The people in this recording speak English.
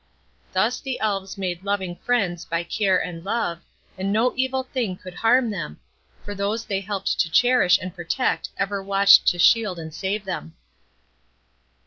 Thus the Elves made loving friends by care and love, and no evil thing could harm them, for those they helped to cherish and protect ever watched to shield and save them.